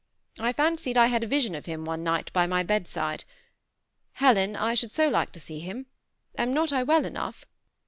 I fancied I had a vision of him one night by my bedside. Helen, I should so like to see him. Am not I well enough